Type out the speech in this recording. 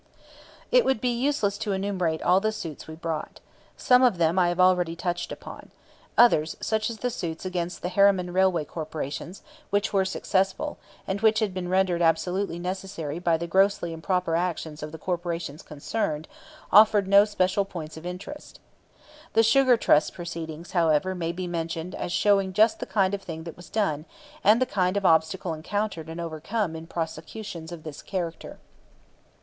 It would be useless to enumerate all the suits we brought. Some of them I have already touched upon. Others, such as the suits against the Harriman railway corporations, which were successful, and which had been rendered absolutely necessary by the grossly improper action of the corporations concerned, offered no special points of interest. The Sugar Trust proceedings, however, may be mentioned as showing just the kind of thing that was done and the kind of obstacle encountered and overcome in prosecutions of this character.